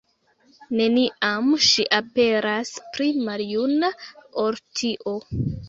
Neniam ŝi aperas pli maljuna ol tio.